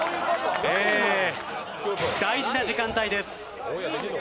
大事な時間帯です。